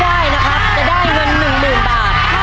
ถ้าได้นะครับจะได้เงินหนึ่งหมื่นบาท